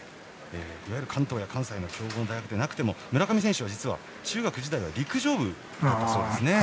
いわゆる関東や関西の強豪の大学じゃなくても村上選手は中学時代は陸上部だったそうですね。